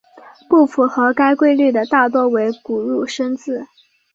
不符合该规律的大多为古入声字。